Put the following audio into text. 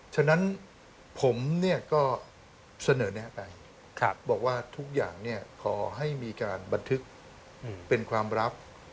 ฉะนั้นผมเนี่ยก็เสนอแนะไปบอกว่าทุกอย่างขอให้มีการบันทึกเป็นความลับ